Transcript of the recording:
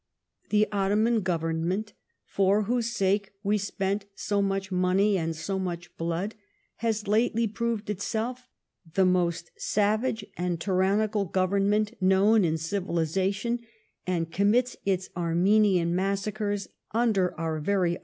The Ottoman Gov ernment, for whose sake we spent so much money and so much blood, has lately proved it self the most sav age and tyranni cal government known in civili zation, and com mits its Arme nian massacres under our very camu.